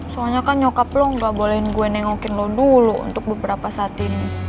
soalnya kan nyokap lo gak bolehin gue nengokin lo dulu untuk beberapa saat ini